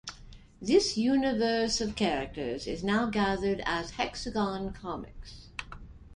This universe of characters is now gathered as Hexagon Comics.